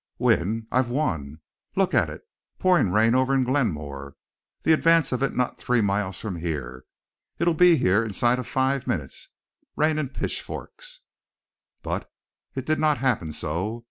"Win? I've won! Look at it, pourin' rain over at Glenmore, the advance of it not three miles from here! It'll be here inside of five minutes, rainin' pitchforks." But it did not happen so.